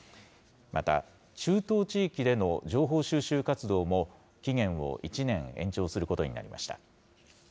また、中東地域での情報収集活動も期限を１年延長することになりました。